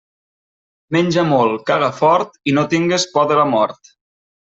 Menja molt, caga fort i no tingues por de la mort.